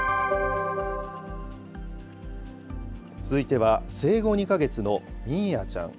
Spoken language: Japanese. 続いては生後２か月のミーアちゃん。